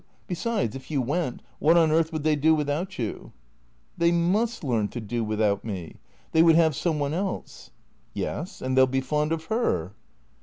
Besides, if you went, what on earth would they do without you ?"" They must learn to do without me. They would have some one else." " Yes, and they '11 be fond of her."